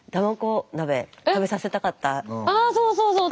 あそうそうそう！